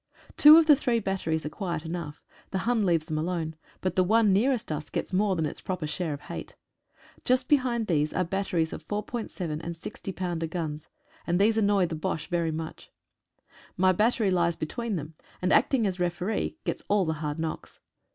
Two of the three batteries are quiet enough. The Hun leaves them alone, but the one nearest us gets more than its proper share of hate. Just behind these are batteries of 4.7 and 60 pounder guns, and these annoy the Bosche very much. My battery lies between them, and, acting as referee, gets all the hard knocks.